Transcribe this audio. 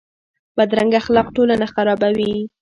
بدرنګه اخلاق ټولنه خرابوي